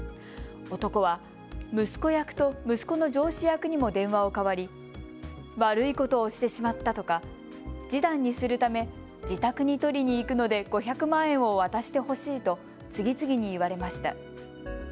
男は息子役と息子の上司役にも電話を代わり悪いことをしてしまったとか示談にするため自宅に取りに行くので５００万円を渡してほしいと次々に言われました。